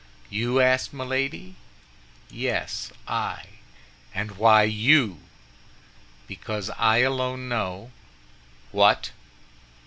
"You?" asked Milady. "Yes, I." "And why you?" "Because I alone know—" "What?"